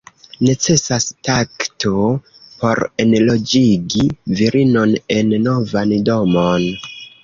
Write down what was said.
Necesas takto por enloĝigi virinon en novan domon.